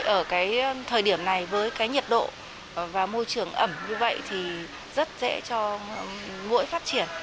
ở cái thời điểm này với cái nhiệt độ và môi trường ẩm như vậy thì rất dễ cho mũi phát triển